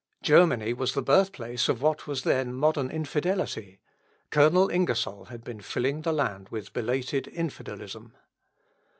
Germany was the birthplace of what was then modern infidelity, Colonel Ingersoll had been filling the land with belated infidelism.